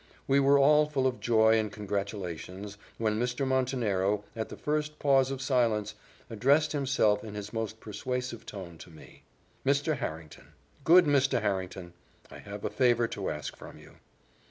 We were all full of joy and congratulations, when Mr. Montenero, at the first pause of silence, addressed himself in his most persuasive tone to me. "Mr. Harrington good Mr. Harrington I have a favour to ask from you."